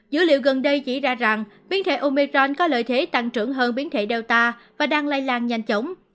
dữ liệu gần đây chỉ ra rằng biến thể omejan có lợi thế tăng trưởng hơn biến thể data và đang lây lan nhanh chóng